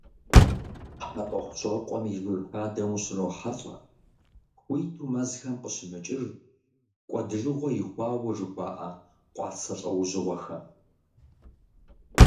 ХьэтӀохъущокъуэм и жыг хадэм ущрохьэлӀэ хуиту мэзхэм къыщымыкӀыж, кӀуэдыжыгъуэ ихуауэ жыхуаӀэ къуацэ лӀэужьыгъуэхэм.